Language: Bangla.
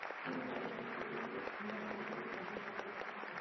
বিভিন্নভাবে সহায়তা করে দুর্নীতি দমন কমিশন, নির্বাচন কমিশন, মানবাধিকার কমিশন ইত্যাদি।